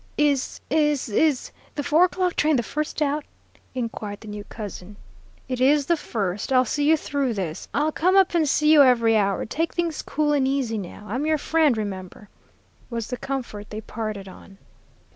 "'Is is is the four o'clock train the first out?' inquired the new cousin. "'It is the first. I'll see you through this. I'll come up and see you every hour. Take things cool and easy now. I'm your friend, remember,' was the comfort they parted on.